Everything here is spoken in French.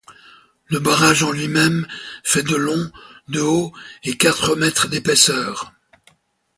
Le barrage en lui-même fait de long, de haut et quatre mètres d'épaisseur.